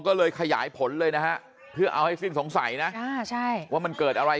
ก็เลยขยายผลเลยนะฮะเพื่อเอาให้สิ้นสงสัยนะว่ามันเกิดอะไร